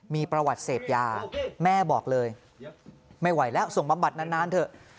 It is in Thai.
มีประวัติเสพยาแม่บอกเลยไม่ไหวแล้วส่งบำบัดนานเถอะ